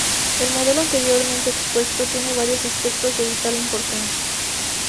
El modelo anteriormente expuesto tiene varios aspectos de vital importancia.